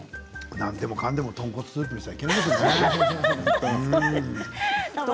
何でもかんでも豚骨スープにしてはだめですね。